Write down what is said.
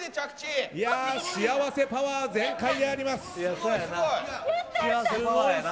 幸せパワー全開であります。